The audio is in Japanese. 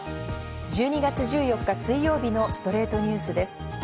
１２月１４日、水曜日の『ストレイトニュース』です。